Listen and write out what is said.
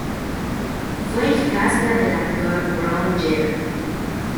Fue hijastra del actor Björn Gedda.